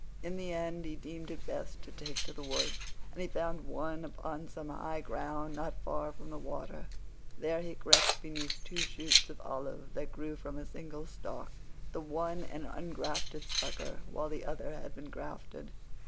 In the end he deemed it best to take to the woods, and he found one upon some high ground not far from the water. There he crept beneath two shoots of olive that grew from a single stock—the one an ungrafted sucker, while the other had been grafted.